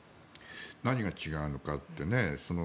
何が違うのかってね。